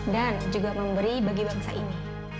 dan juga memberi bagi bangsa ini